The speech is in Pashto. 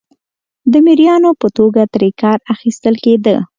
د مریانو په توګه ترې کار اخیستل کېده.